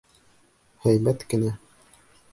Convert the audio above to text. Һәйбәт кенә.